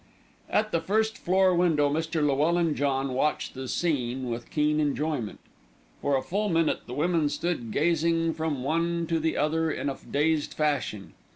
At the first floor window Mr. Llewellyn John watched the scene with keen enjoyment. For a full minute the women stood gazing from one to the other in a dazed fashion.